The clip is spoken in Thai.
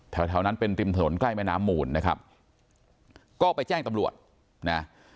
แถวแถวนั้นเป็นริมถนนใกล้แม่น้ำหมูลนะครับก็ไปแจ้งตำรวจนะ